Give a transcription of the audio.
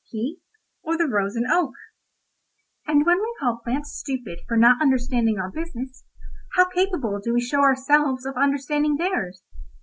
He, or the rose and oak? "And when we call plants stupid for not understanding our business, how capable do we show ourselves of understanding theirs?